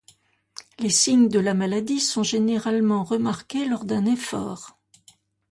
Les signes de la maladies sont généralement remarqués lors d'un effort.